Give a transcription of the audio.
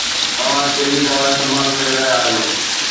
توهان ڪهڙي دوا استعمال ڪري رهيا آهيو؟